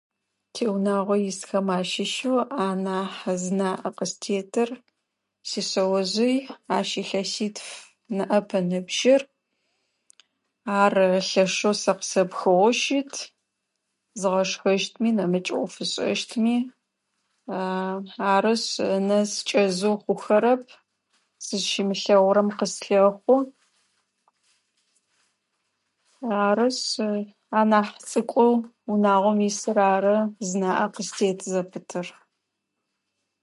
Тиунагъо исхэм ащыщэу анахь зынаӏэ къыстетыр сишъэожъый, ащ илъэситф ныӏэп ыныбжьыр, ар лъэшэу сэ къысэпхыгъэу щыт зыгъэшхэщтми, нэмыкӏ ӏоф ышӏэщтми арышъ ынэ скӏэзу хъухэрэп, сызщимылъэгъурэм къыслъэхъу, арышъ анахь цӏыкӏоу унагъом исыр ары зынаӏэ къыстет зэпытыр